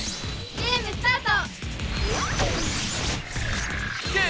ゲームスタート！